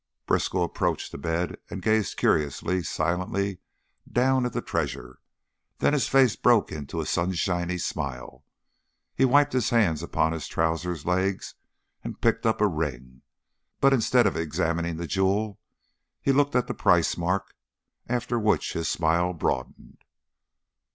Briskow approached the bed and gazed curiously, silently down at the treasure, then his face broke into a sunshiny smile. He wiped his hands upon his trousers legs and picked up a ring. But instead of examining the jewel, he looked at the price mark, after which his smile broadened.